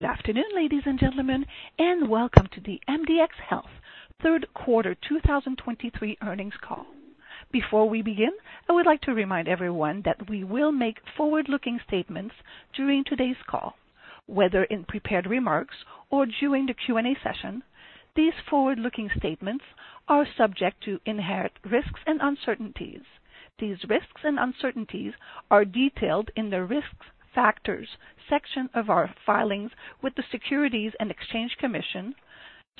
Good afternoon, ladies and gentlemen, and welcome to the MDxHealth Third Quarter 2023 earnings call. Before we begin, I would like to remind everyone that we will make forward-looking statements during today's call, whether in prepared remarks or during the Q&A session. These forward-looking statements are subject to inherent risks and uncertainties. These risks and uncertainties are detailed in the Risk Factors section of our filings with the Securities and Exchange Commission,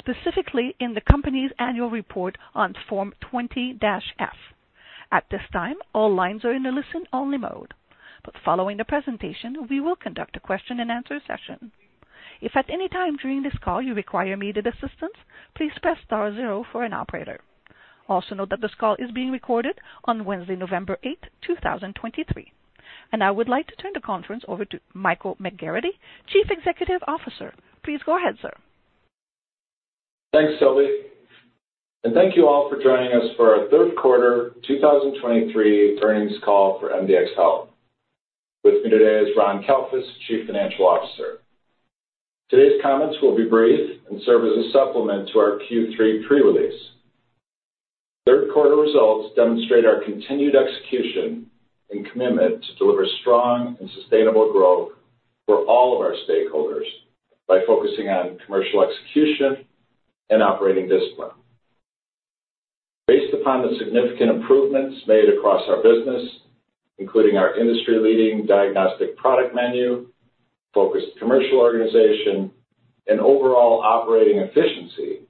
specifically in the company's annual report on Form 20-F. At this time, all lines are in a listen-only mode, but following the presentation, we will conduct a question-and-answer session. If at any time during this call you require immediate assistance, please press star zero for an operator. Also, note that this call is being recorded on Wednesday, November 8th, 2023. I would like to turn the conference over to Michael McGarrity, Chief Executive Officer. Please go ahead, sir. Thanks, Sylvie, and thank you all for joining us for our third quarter 2023 earnings call for MDxHealth. With me today is Ron Kalfus, Chief Financial Officer. Today's comments will be brief and serve as a supplement to our Q3 pre-release. Third quarter results demonstrate our continued execution and commitment to deliver strong and sustainable growth for all of our stakeholders by focusing on commercial execution and operating discipline. Based upon the significant improvements made across our business, including our industry-leading diagnostic product menu, focused commercial organization, and overall operating efficiency,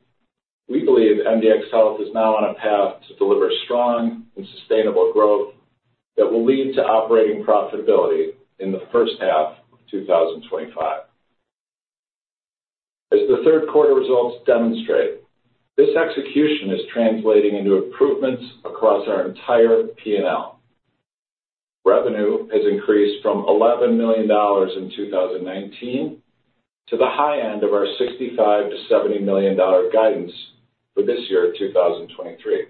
we believe MDxHealth is now on a path to deliver strong and sustainable growth that will lead to operating profitability in the first half of 2025. As the third quarter results demonstrate, this execution is translating into improvements across our entire P&L. Revenue has increased from $11 million in 2019 to the high end of our $65-$70 million guidance for this year, 2023,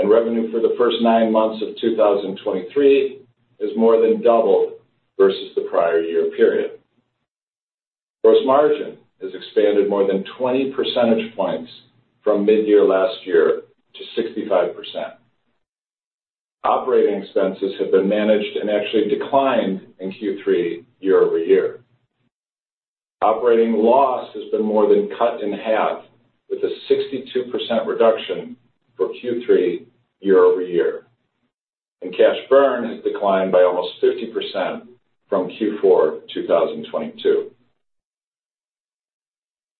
and revenue for the first nine months of 2023 is more than double versus the prior year period. Gross margin has expanded more than 20 percentage points from mid-year last year to 65%. Operating expenses have been managed and actually declined in Q3 year-over-year. Operating loss has been more than cut in half, with a 62% reduction for Q3 year-over-year, and cash burn has declined by almost 50% from Q4 2022.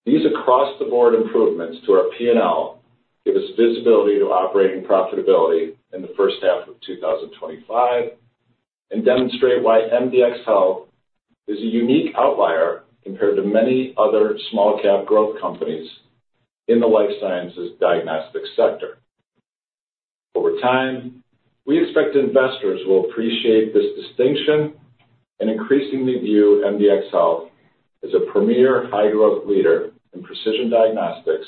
These across-the-board improvements to our P&L give us visibility to operating profitability in the first half of 2025 and demonstrate why MDxHealth is a unique outlier compared to many other small cap growth companies in the life sciences diagnostic sector. Over time, we expect investors will appreciate this distinction and increasingly view MDxHealth as a premier, high-growth leader in precision diagnostics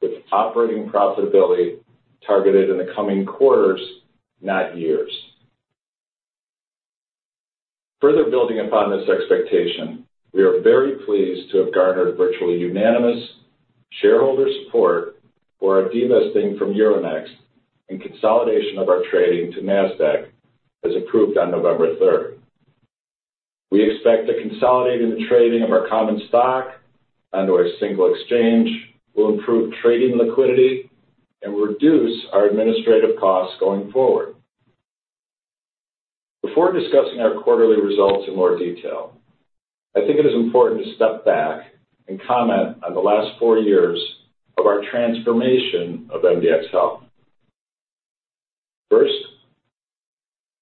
with operating profitability targeted in the coming quarters, not years. Further building upon this expectation, we are very pleased to have garnered virtually unanimous shareholder support for our divesting from Euronext, and consolidation of our trading to Nasdaq as approved on November 3. We expect the consolidated trading of our common stock under a single exchange will improve trading liquidity and reduce our administrative costs going forward. Before discussing our quarterly results in more detail, I think it is important to step back and comment on the last four years of our transformation of MDxHealth. First,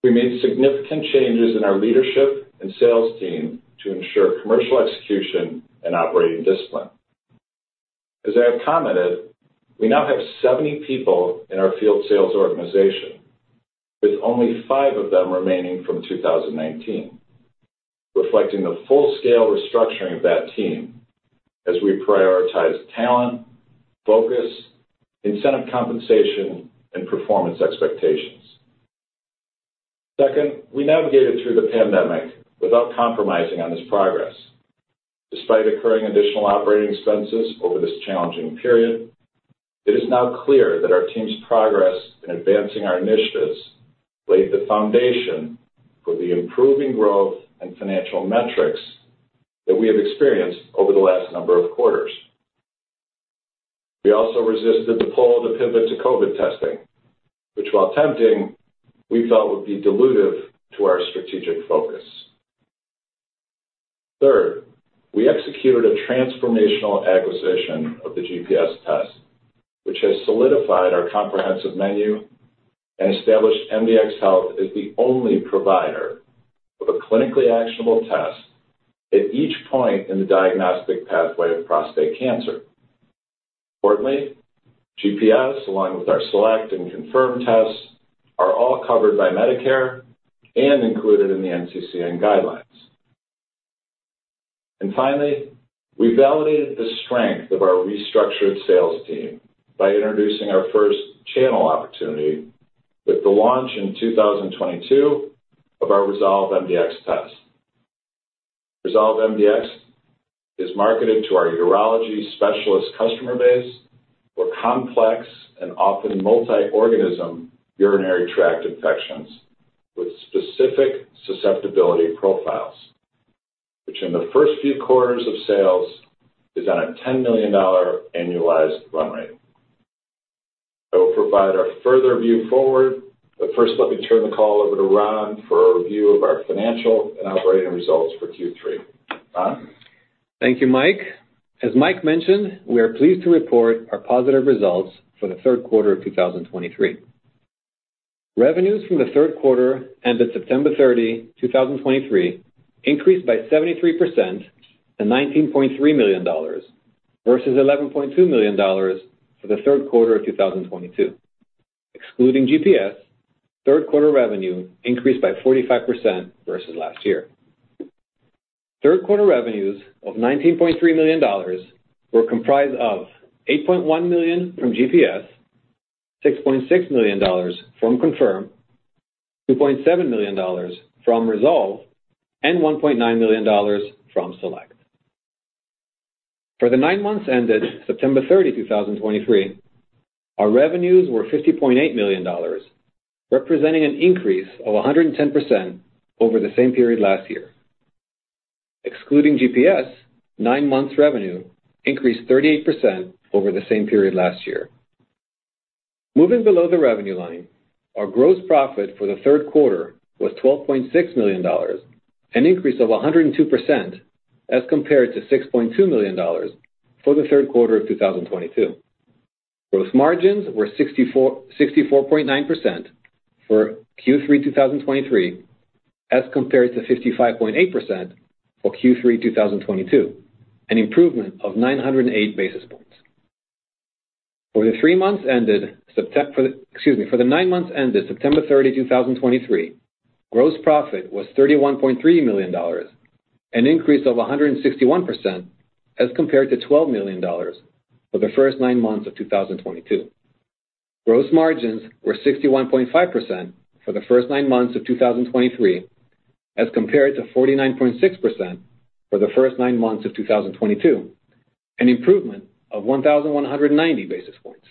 we made significant changes in our leadership, and sales team to ensure commercial execution and operating discipline. As I have commented, we now have 70 people in our field sales organization, with only five of them remaining from 2019, reflecting the full-scale restructuring of that team as we prioritize talent, focus, incentive compensation, and performance expectations. Second, we navigated through the pandemic without compromising on this progress. Despite incurring additional operating expenses over this challenging period, it is now clear that our team's progress in advancing our initiatives laid the foundation for the improving growth and financial metrics that we have experienced over the last number of quarters. We also resisted the pull to pivot to COVID testing, which, while tempting, we felt, would be dilutive to our strategic focus. Third, we executed a transformational acquisition of the GPS test, which has solidified our comprehensive menu, and established MDxHealth as the only provider of a clinically actionable test at each point in the diagnostic pathway of prostate cancer. Importantly, GPS, along with our SelectMDx and ConfirmMDx tests, are all covered by Medicare and included in the NCCN guidelines. And finally, we validated the strength of our restructured sales team by introducing our first channel opportunity with the launch in 2022 of our ResolveMDx test. Resolve mdx is marketed to our urology specialist customer base for complex and often multi-organism urinary tract infections with specific susceptibility profiles, which in the first few quarters of sales is on a $10 million annualized run rate. I will provide a further view forward, but first, let me turn the call over to Ron for a review of our financial and operating results for Q3. Ron? Thank you, Mike. As Mike mentioned, we are pleased to report our positive results for the third quarter of 2023. Revenues from the third quarter ended September 30, 2023, increased by 73% to $19.3 million versus $11.2 million for the third quarter of 2022. Excluding GPS, third quarter revenue increased by 45% versus last year. Third quarter revenues of $19.3 million were comprised of $8.1 million from GPS, $6.6 million from Confirm, $2.7 million from Resolve, and $1.9 million from Select. For the nine months ended September 30, 2023, our revenues were $50.8 million, representing an increase of 110% over the same period last year. Excluding GPS, 9 months revenue increased 38% over the same period last year. Moving below the revenue line, our gross profit for the third quarter was $12.6 million, an increase of 102% as compared to $6.2 million for the third quarter of 2022. Gross margins were 64.9% for Q3 2023, as compared to 55.8% for Q3 2022, an improvement of 908 basis points. For the three months ended September, excuse me, for the 9 months ended September 30, 2023, gross profit was $31.3 million, an increase of 161% as compared to $12 million for the first 9 months of 2022. Gross margins were 61.5% for the first nine months of 2023, as compared to 49.6% for the first nine months of 2022, an improvement of 1,190 basis points.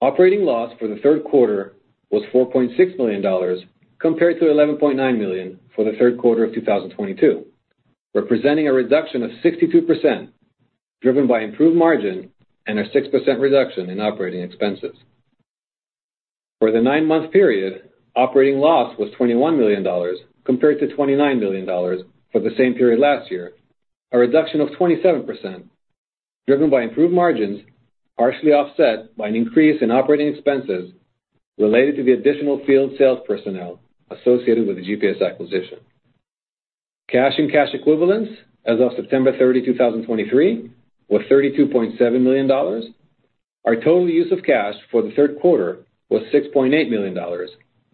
Operating loss for the third quarter was $4.6 million, compared to $11.9 million for the third quarter of 2022, representing a reduction of 62%, driven by improved margin and a 6% reduction in operating expenses. For the nine-month period, operating loss was $21 million, compared to $29 million for the same period last year, a reduction of 27%, driven by improved margins, partially offset by an increase in operating expenses related to the additional field sales personnel associated with the GPS acquisition. Cash and cash equivalents as of September 30, 2023, were $32.7 million. Our total use of cash for the third quarter was $6.8 million,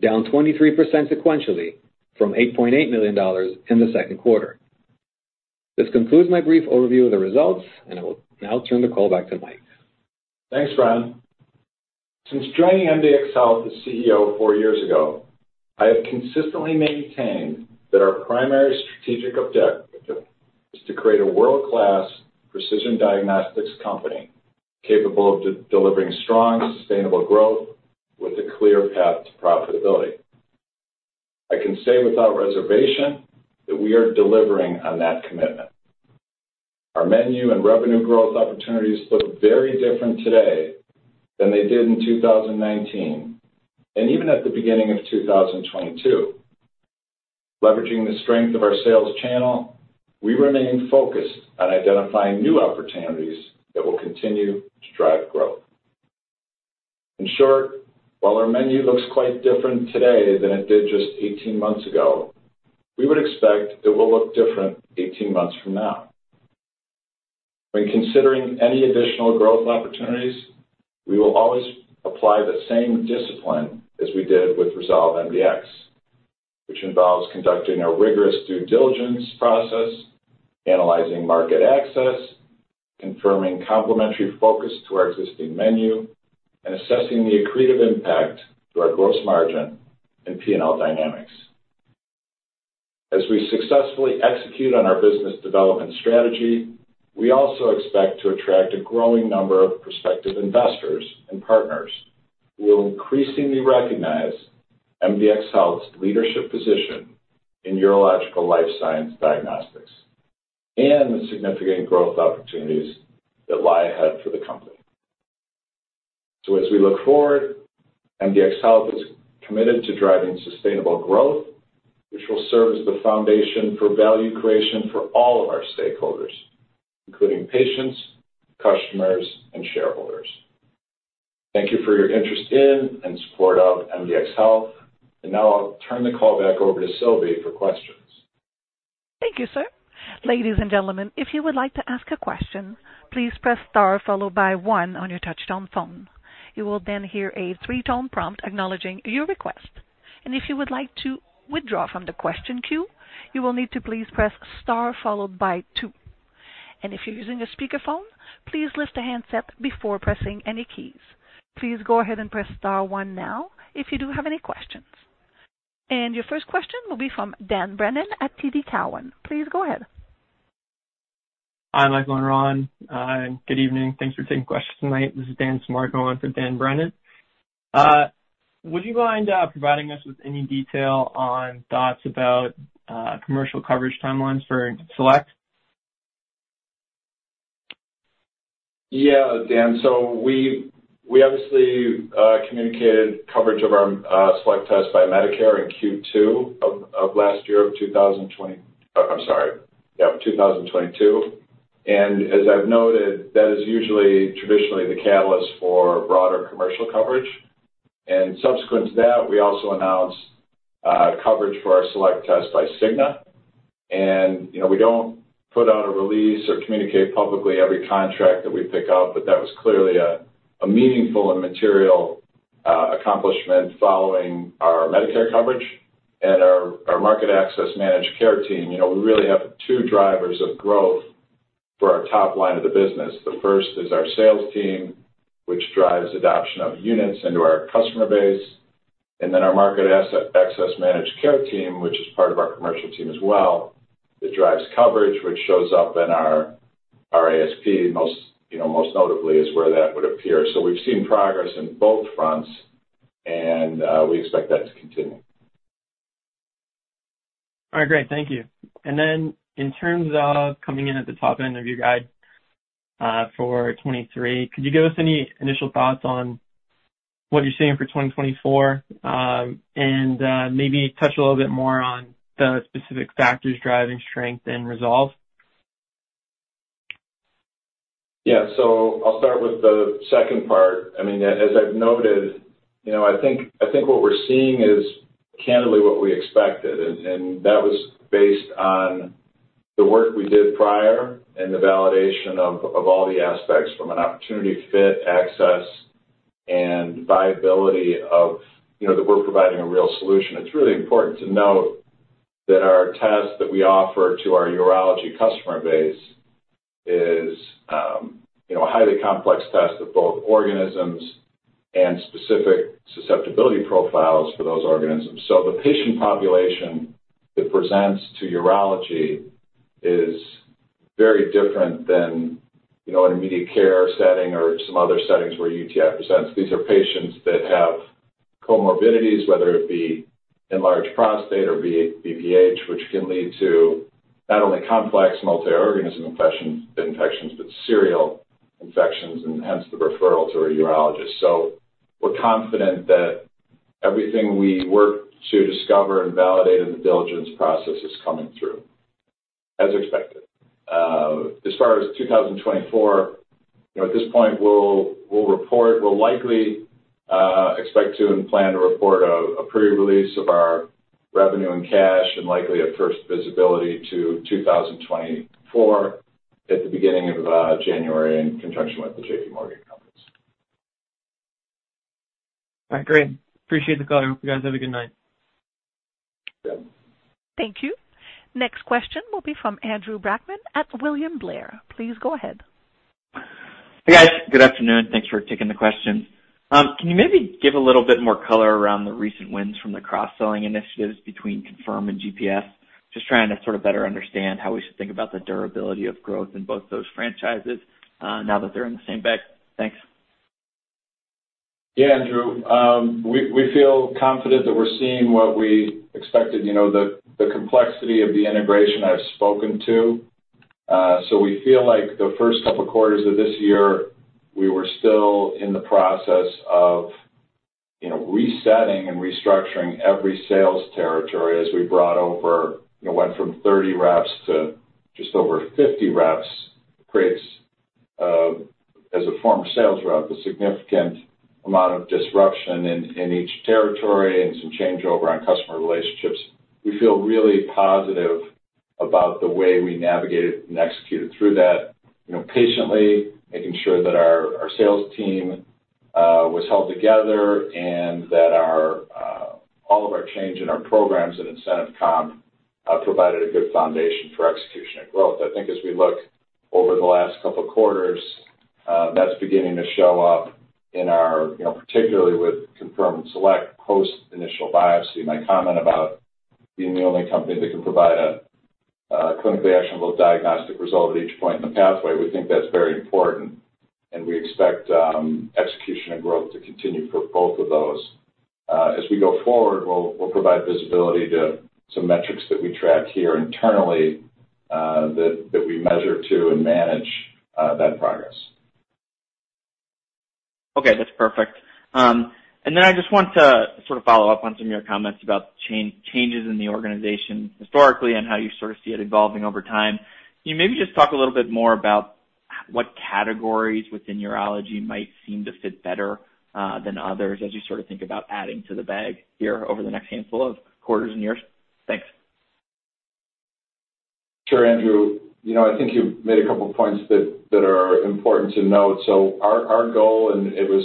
down 23% sequentially from $8.8 million in the second quarter. This concludes my brief overview of the results, and I will now turn the call back to Mike. Thanks, Ron. Since joining MDxHealth as CEO four years ago, I have consistently maintained that our primary strategic objective is to create a world-class precision diagnostics company, capable of delivering strong, sustainable growth with a clear path to profitability. I can say without reservation that we are delivering on that commitment. Our menu, and revenue growth opportunities look very different today than they did in 2019, and even at the beginning of 2022. Leveraging the strength of our sales channel, we remain focused on identifying new opportunities that will continue to drive growth. In short, while our menu looks quite different today than it did just 18 months ago, we would expect it will look different 18 months from now. When considering any additional growth opportunities, we will always apply the same discipline as we did with Resolve mdx, which involves conducting a rigorous due diligence process, analyzing market access, confirming complementary focus to our existing menu, and assessing the accretive impact to our gross margin and P&L dynamics. As we successfully execute on our business development strategy, we also expect to attract a growing number of prospective investors and partners, who will increasingly recognize MDxHealth's leadership position in urological life science diagnostics and the significant growth opportunities that lie ahead for the company. So as we look forward, MDxHealth is committed to driving sustainable growth, which will serve as the foundation for value creation for all of our stakeholders, including patients, customers, and shareholders. Thank you for your interest in and support of MDxHealth. And now I'll turn the call back over to Sylvie for questions. Thank you, sir. Ladies and gentlemen, if you would like to ask a question, please press star followed by one on your touchtone phone. You will then hear a three-tone prompt acknowledging your request. If you would like to withdraw from the question queue, you will need to please press star followed by two. If you're using a speakerphone, please lift the handset before pressing any keys. Please go ahead and press star one now if you do have any questions. Your first question will be from Dan Brennan at TD Cowen. Please go ahead. Hi, Michael and Ron. Good evening. Thanks for taking questions tonight. This is Dan Smart going for Dan Brennan. Would you mind providing us with any detail on thoughts about commercial coverage timelines for Select? Yeah, Dan. So we obviously communicated coverage of our Select test by Medicare in Q2 of last year, 2022. And as I've noted, that is usually traditionally the catalyst for broader commercial coverage. And subsequent to that, we also announced coverage for our Select test by Cigna. And, you know, we don't put out a release or communicate publicly every contract that we pick up, but that was clearly a meaningful and material accomplishment following our Medicare coverage and our market access managed care team. You know, we really have two drivers of growth for our top line of the business. The first is our sales team, which drives adoption of units into our customer base, and then our market access managed care team, which is part of our commercial team as well, that drives coverage, which shows up in our ASP most, you know, most notably, is where that would appear. So we've seen progress in both fronts, and we expect that to continue. All right, great. Thank you. And then, in terms of coming in at the top end of your guide, for 2023, could you give us any initial thoughts on what you're seeing for 2024? And, maybe touch a little bit more on the specific factors driving strength and Resolve. Yeah. So I'll start with the second part. I mean, as I've noted, you know, I think what we're seeing is candidly what we expected, and that was based on the work we did prior and the validation of all the aspects from an opportunity fit, access, and viability of, you know, that we're providing a real solution. It's really important to note that our test that we offer to our urology customer base is, you know, a highly complex test of both organisms and specific susceptibility profiles for those organisms. So the patient population that presents to urology is very different than, you know, an immediate care setting or some other settings where UTI presents. These are patients that have comorbidities, whether it be enlarged prostate or BPH, which can lead to not only complex multi-organism infections, but serial infections, and hence the referral to a urologist. So we're confident that everything we work to discover and validate in the diligence process is coming through as expected. As far as 2024, you know, at this point, we'll report... We'll likely expect to and plan to report a pre-release of our revenue and cash and likely a first visibility to 2024, at the beginning of January, in conjunction with the J.P. Morgan conference. All right, great. Appreciate the call. I hope you guys have a good night. Yeah. Thank you. Next question will be from Andrew Brackmann at William Blair. Please go ahead. Hey, guys. Good afternoon. Thanks for taking the question. Can you maybe give a little bit more color around the recent wins from the cross-selling initiatives between Confirm and GPS? Just trying to sort of better understand how we should think about the durability of growth in both those franchises, now that they're in the same bag. Thanks. Yeah, Andrew. We feel confident that we're seeing what we expected, you know, the complexity of the integration I've spoken to. So we feel like the first couple quarters of this year, we were still in the process of, you know, resetting and restructuring every sales territory as we brought over, you know, went from 30 reps to just over 50 reps, creates, as a former sales rep, a significant amount of disruption in each territory and some changeover on customer relationships. We feel really positive about the way we navigated, and executed through that, you know, patiently, making sure that our sales team was held together and that our all of our change in our programs and incentive comp provided a good foundation for execution and growth. I think as we look over the last couple of quarters, that's beginning to show up in our, you know, particularly with Confirm and Select post initial biopsy. My comment about being the only company that can provide a clinically actionable diagnostic result at each point in the pathway, we think that's very important, and we expect execution and growth to continue for both of those. As we go forward, we'll provide visibility to some metrics that we track here internally, that we measure to and manage that progress. Okay, that's perfect. And then I just want to sort of follow up on some of your comments about change, changes in the organization historically and how you sort of see it evolving over time. Can you maybe just talk a little bit more about what categories within urology might seem to fit better, than others as you sort of think about adding to the bag here over the next handful of quarters and years? Thanks. Sure, Andrew. You know, I think you've made a couple points that important to note, so our goal, and it was,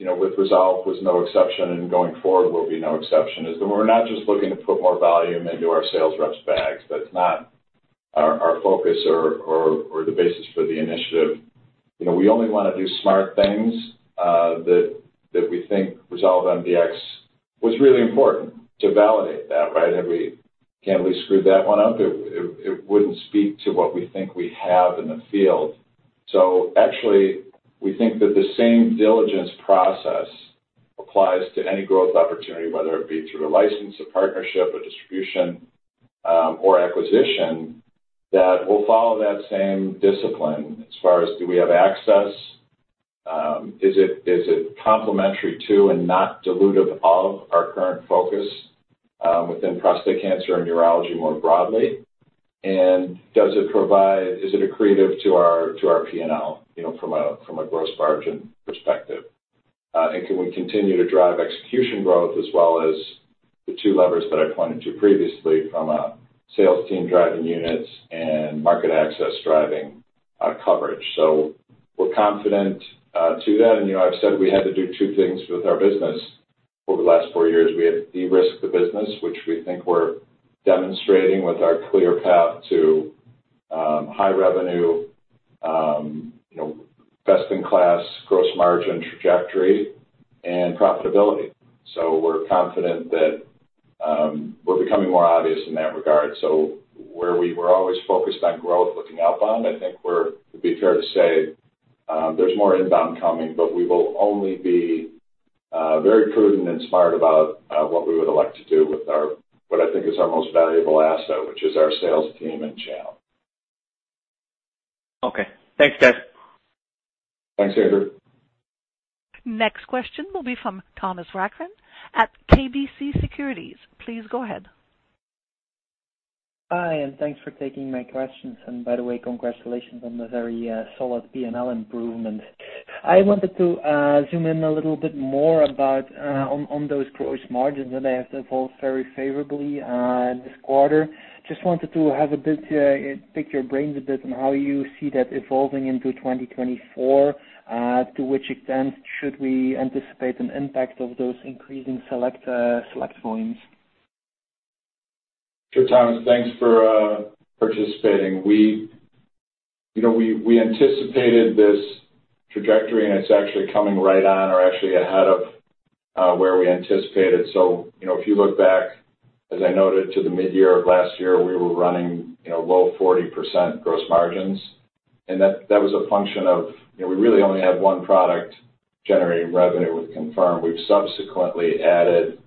you know, with Resolve was no exception, and going forward will be no exception, is that we're not just looking to put more volume into our sales reps' bags. That's not our focus or the basis for the initiative. You know, we only want to do smart things, that we think Resolve mdx was really important to validate that, right? And we can't really screw that one up. It wouldn't speak to what we think we have in the field. So actually, we think that the same diligence process applies to any growth opportunity, whether it be through a license, a partnership, a distribution, or acquisition, that we'll follow that same discipline as far as do we have access? Is it, is it complementary to, and not dilutive of our current focus within prostate cancer and urology more broadly? And does it provide, is it accretive to our, to our P&L, you know, from a, from a gross margin perspective? And can we continue to drive execution growth as well as the two levers that I pointed to previously from a sales team driving units and market access, driving coverage. So we're confident to that, and, you know, I've said we had to do two things with our business over the last four years. We had to de-risk the business, which we think we're demonstrating with our clear path to high revenue, you know, best-in-class gross margin trajectory and profitability. So we're confident that we're becoming more obvious in that regard. So where we were always focused on growth looking outbound, I think we're, it'd be fair to say, there's more inbound coming, but we will only be very prudent and smart about what we would elect to do with our, what I think is our most valuable asset, which is our sales team and channel. Okay. Thanks, Ted. Thanks, Andrew. Next question will be from Thomas Vranken at KBC Securities. Please go ahead. Hi, and thanks for taking my questions. By the way, congratulations on the very solid P&L improvement. I wanted to zoom in a little bit more about on those gross margins, and they have evolved very favorably this quarter. Just wanted to have a bit pick your brains a bit on how you see that evolving into 2024. To which extent should we anticipate an impact of those increasing Select Select volumes? Sure, Thomas, thanks for participating. We, you know, we anticipated this trajectory, and it's actually coming right on, or actually ahead of where we anticipated. So you know, if you look back, as I noted to the mid-year of last year, we were running, you know, low 40% gross margins, and that was a function of, you know, we really only had one product generating revenue with Confirm. We've subsequently added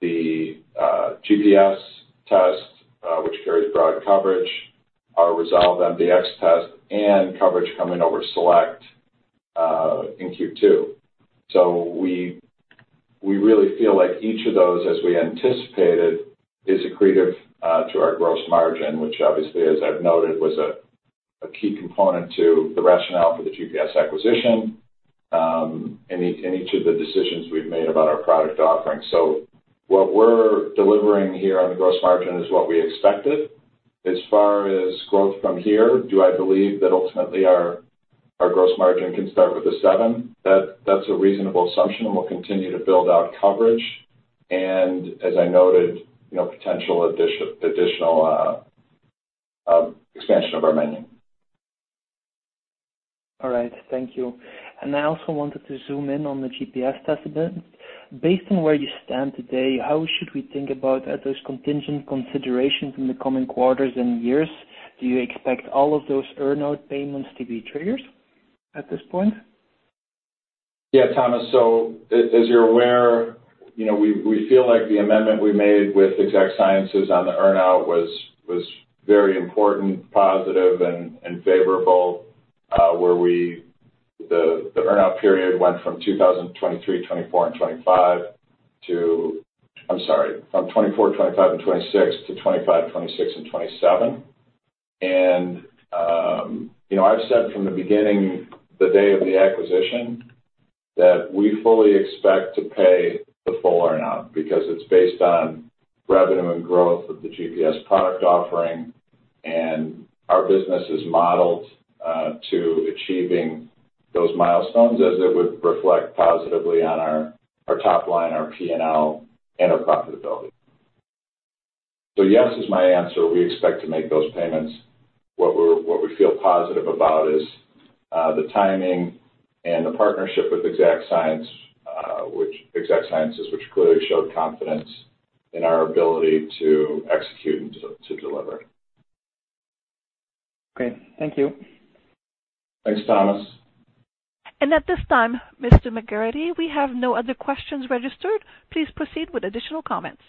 the GPS test, which carries broad coverage, our Resolve mdx test, and coverage coming over Select in Q2. So we really feel like each of those, as we anticipated, is accretive to our gross margin, which obviously, as I've noted, was a key component to the rationale for the GPS acquisition, and each of the decisions we've made about our product offerings. What we're delivering here on the gross margin is what we expected. As far as growth from here, do I believe that ultimately our gross margin can start with a seven? That's a reasonable assumption, and we'll continue to build out coverage, and as I noted, you know, potential additional expansion of our menu. All right, thank you. And I also wanted to zoom in on the GPS test a bit. Based on where you stand today, how should we think about those contingent considerations in the coming quarters and years? Do you expect all of those earn-out payments to be triggered at this point? Yeah, Thomas. So as, as you're aware, you know, we, we feel like the amendment we made with Exact Sciences on the earn-out was, was very important, positive, and, and favorable, where we—the earn-out period went from 2023, 2024, and 2025 to... I'm sorry, from 2024, 2025 and 2026 to 2025, 2026 and 2027. And, you know, I've said from the beginning, the day of the acquisition, that we fully expect to pay the full earn-out, because it's based on revenue and growth of the GPS product offering, and our business is modeled to achieving those milestones as it would reflect positively on our, our top line, our P&L, and our profitability. So yes, is my answer. We expect to make those payments. What we feel positive about is the timing and the partnership with Exact Sciences, which clearly showed confidence in our ability to execute and to deliver. Great. Thank you. Thanks, Thomas. At this time, Mr. McGarrity, we have no other questions registered. Please proceed with additional comments.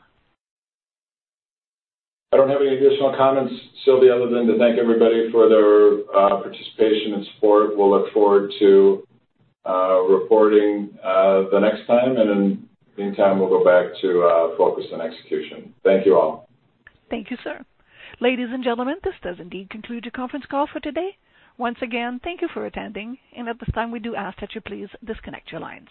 I don't have any additional comments, Sylvia, other than to thank everybody for their participation and support. We'll look forward to reporting the next time, and in the meantime, we'll go back to focus on execution. Thank you all. Thank you, sir. Ladies and gentlemen, this does indeed conclude the conference call for today. Once again, thank you for attending, and at this time, we do ask that you please disconnect your lines.